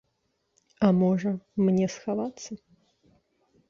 А можа, мне схавацца?